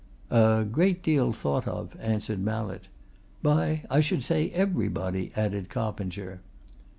"A great deal thought of," answered Mallett. "By, I should say, everybody," added Coppinger.